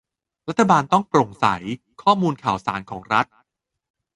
รัฐบาลต้องโปร่งใส ข้อมูลข่าวสารของรัฐ